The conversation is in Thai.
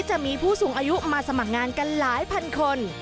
จะมีผู้สูงอายุมาสมัครงานกันหลายพันคน